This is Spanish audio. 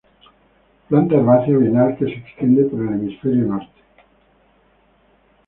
Planta herbácea bienal que se extiende por el hemisferio norte.